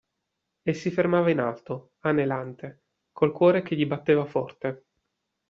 E si fermava in alto, anelante, col cuore che gli batteva forte.